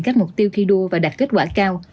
các mục tiêu thi đua và đạt kết quả cao